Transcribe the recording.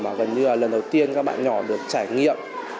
mà gần như là lần đầu tiên các bạn nhỏ được trải nghiệm